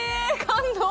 感動